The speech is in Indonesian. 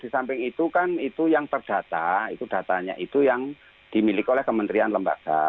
di samping itu kan itu yang terdata itu datanya itu yang dimiliki oleh kementerian lembaga